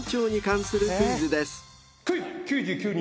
クイズ。